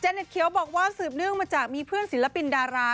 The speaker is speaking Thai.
เน็ตเขียวบอกว่าสืบเนื่องมาจากมีเพื่อนศิลปินดารา